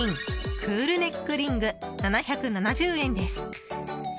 クールネックリング７７０円です。